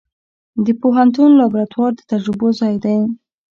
د پوهنتون لابراتوار د تجربو ځای دی.